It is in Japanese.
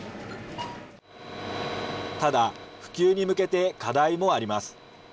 ただ、普及に向けて課題もあります。